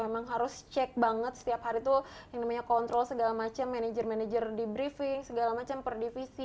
emang harus cek banget setiap hari tuh yang namanya kontrol segala macam manajer manajer di briefing segala macam per divisi